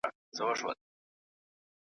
شاعر، ناول لیکونکی .